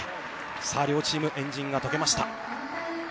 両チーム、円陣が解けました。